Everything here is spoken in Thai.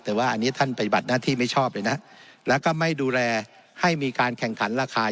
แต่ว่าอันนี้ท่านปฏิบัติหน้าที่ไม่ชอบเลยนะแล้วก็ไม่ดูแลให้มีการแข่งขันราคา